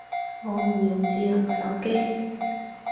我唔用智能手機